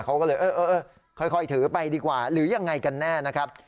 เขาก็เลยเออค่อยถือไปดีกว่าหรือยังไงกันแน่นะครับ